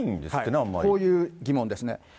こういう疑問ですね。